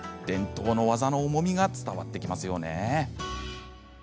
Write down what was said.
伝統の技の重みが伝わってきますね。